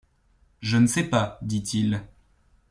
Je ne sais pas, dit-il.